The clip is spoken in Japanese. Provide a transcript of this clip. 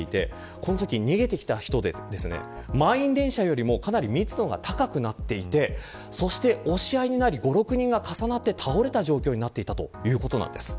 このとき、逃げてきた人で満員電車よりもかなり密度が高くなっていて押し合いになり５、６人が重なって倒れた状況になっていたということです。